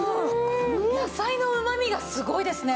野菜のうまみがすごいですね！